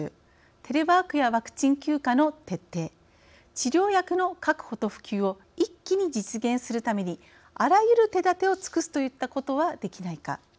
テレワークやワクチン休暇の徹底治療薬の確保と普及を一気に実現するためにあらゆる手だてを尽くすといったことはできないか。